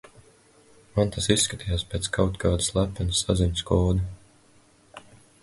Man tas izskatījās pēc kaut kāda slepenas saziņas koda.